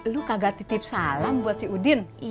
lu kagak titip salam buat si udin